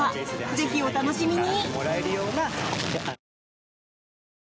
ぜひ、お楽しみに。